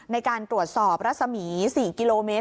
ในการตรวจสอบรัศมี๔กิโลเมตร